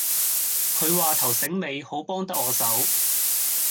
佢話頭醒尾，好幫得我手